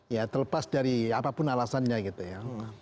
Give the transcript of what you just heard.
ya terlepas dari apapun alasannya gitu ya